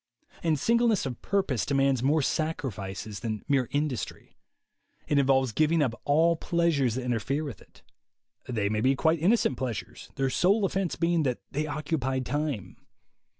And singleness of purpose demands more sac rifices than mere industry. It involves giving up all pleasures that interfere with it. They may be quite innocent pleasures, their sole offense being that they occupy time.